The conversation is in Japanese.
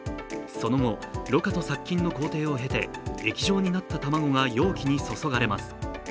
その後、ろ過と殺菌の工程を経て液状になった卵が容器に注がれます。